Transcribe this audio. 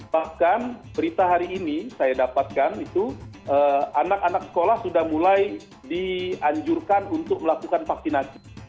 bahkan berita hari ini saya dapatkan itu anak anak sekolah sudah mulai dianjurkan untuk melakukan vaksinasi